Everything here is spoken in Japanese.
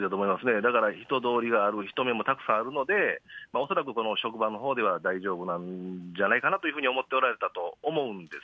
だから人通りがある、人目もたくさんあるので、恐らくこの職場のほうでは大丈夫なんじゃないかなというふうに思っておられたと思うんです。